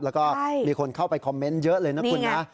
แล้วก็มีคนเข้าไปคอมเมนต์เยอะเลยนะคุณนะ